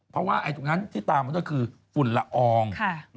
เพราะว่าตรงนั้นที่ตามมาด้วยคือฝุ่นละออง